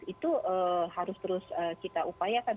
itu harus terus kita upayakan